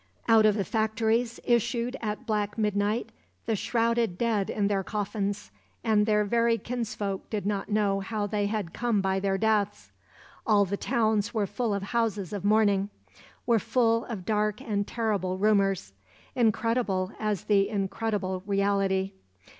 Out of the factories issued at black midnight the shrouded dead in their coffins, and their very kinsfolk did not know how they had come by their deaths. All the towns were full of houses of mourning, were full of dark and terrible rumors; incredible, as the incredible reality.